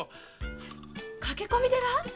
駆け込み寺？